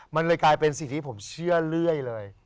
มันเลยกลายเป็นสิ่งที่ผมเชื่อเรื่อยเลย